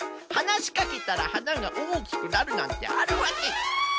はなしかけたらはながおおきくなるなんてあるわけ。